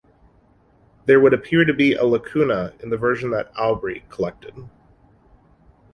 There would appear to be a lacuna in the version that Aubrey collected.